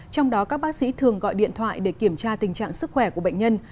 trong đó các bác sĩ thường gọi điện thoại để kiểm tra tình trạng sức khỏe của bệnh nhân